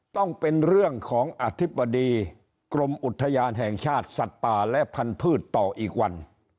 ต้องเป็นเรื่องของอธิบดีกรมอุทยานแห่งชาติสัตว์ป่าและพันธุ์ต่ออีกวัน